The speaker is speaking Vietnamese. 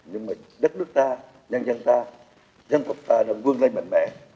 nhưng mà đất nước ta nhân dân ta dân tộc ta đang vương lên mạnh mẽ